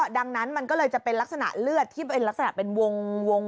ดังนั้นมันก็เลยจะเป็นลักษณะเลือดที่เป็นลักษณะเป็นวง